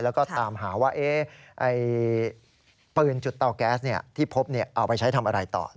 แล้วก็ตามหาว่าปืนจุดเตาแก๊สที่พบเอาไปใช้ทำอะไรต่อ